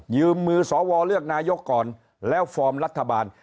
มือสวเลือกนายกก่อนแล้วฟอร์มรัฐบาล